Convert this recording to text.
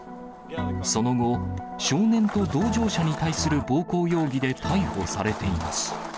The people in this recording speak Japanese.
その後、少年と同乗者に対する暴行容疑で逮捕されています。